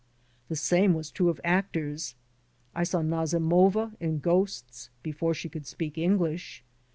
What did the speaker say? The same was true of actors; I saw Nazimova in "Ghosts'* before she could speak English.